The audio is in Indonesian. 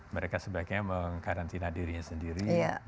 mereka sebaiknya mengkarantina dirinya sendiri